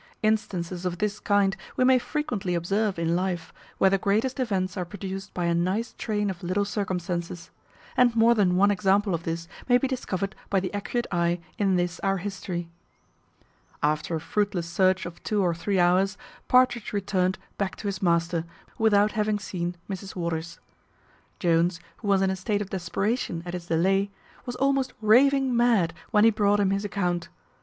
Instances of this kind we may frequently observe in life, where the greatest events are produced by a nice train of little circumstances; and more than one example of this may be discovered by the accurate eye, in this our history. After a fruitless search of two or three hours, Partridge returned back to his master, without having seen Mrs Waters. Jones, who was in a state of desperation at his delay, was almost raving mad when he brought him his account.